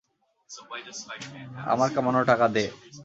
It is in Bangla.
আমার কামানো টাকা দে!